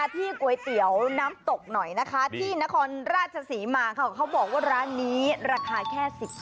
ที่ก๋วยเตี๋ยวน้ำตกหน่อยนะคะที่นครราชศรีมาค่ะเขาบอกว่าร้านนี้ราคาแค่๑๐บาท